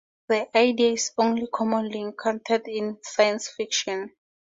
The idea is also commonly encountered in science fiction.